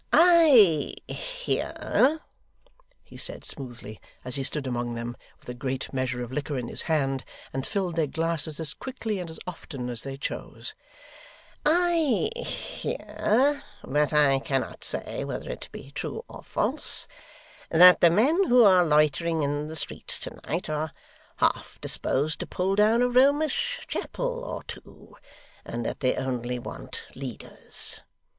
'I hear,' he said smoothly, as he stood among them with a great measure of liquor in his hand, and filled their glasses as quickly and as often as they chose, 'I hear but I cannot say whether it be true or false that the men who are loitering in the streets to night are half disposed to pull down a Romish chapel or two, and that they only want leaders.